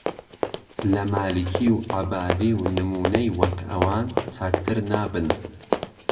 لە مالیکی و عەبادی و نمونەی وەك ئەوان چاکتر نابن.